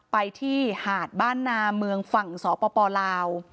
ไปที่หาดบ้านนาเมืองฝั่งสปลาว